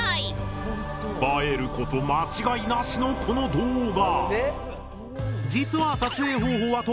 映えること間違いなしのこの動画。